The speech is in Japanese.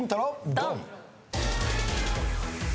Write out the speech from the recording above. ドン！